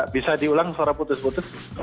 bisa diulang secara putus putus